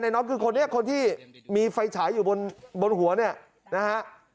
น้องคือคนนี้คนที่มีไฟฉายอยู่บนหัวเนี่ยนะฮะ